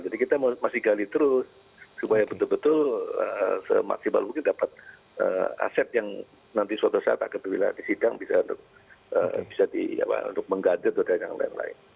jadi kita masih gali terus supaya betul betul maksimal mungkin dapat aset yang nanti suatu saat agak agak diwilati sidang bisa untuk menggadir dan yang lain lain